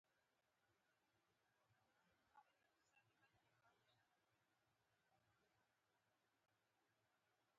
د عرب پسرلی ورته د پزې پېزوان نه شي کولای.